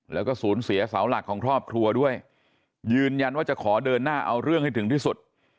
แล้วก็สูญเสียเสาหลักของครอบครัวด้วยยืนยันว่าจะขอเดินหน้าเอาเรื่องให้ถึงที่สุด